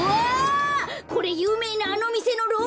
これゆうめいなあのみせのロールケーキ！